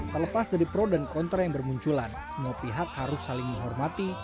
terlepas dari pro dan kontra yang bermunculan semua pihak harus saling menghormati